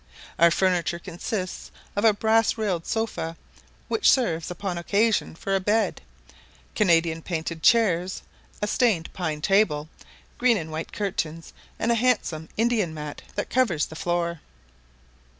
Our furniture consists of a brass railed sofa, which serves upon occasion for a bed, Canadian painted chairs, a stained pine table, green and white curtains, and a handsome Indian mat that covers the floor.